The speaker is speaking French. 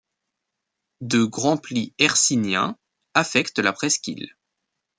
De grands plis hercyniens affectent la presqu'île.